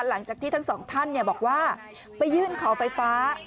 หลังจากที่ทั้งสองท่านบอกว่าไปยื่นขอไฟฟ้า